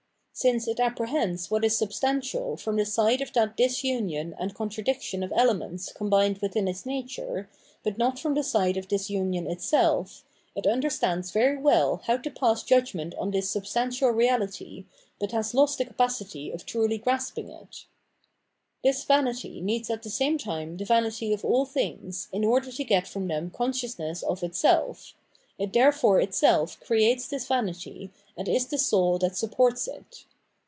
Since it apprehends what is substantial from the side of that disunion and contradiction of elements combined within its nature, but not from the side of this union itself, it under 532 Phenomenology of Mind stands very weU how to pass judgment on this substantial reality, but has lost the capacity of truly grasping it. .,• x n This vanity needs at the same tune the vamty ot all things, in order to get from them consciousness of itself; it therefore itself creates this vanity, and is the soul that supports it.